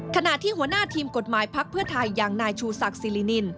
ขณะที่หัวหน้าทีมกฎหมายพักเพื่อไทยอย่างนายชูศักดิ์สิรินิน